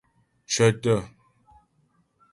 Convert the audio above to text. Cə̀tə̀.